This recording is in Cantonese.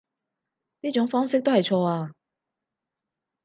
呢種方式都係錯啊